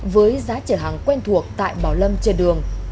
với giá chở hàng quen thuộc tại bảo lâm trên đường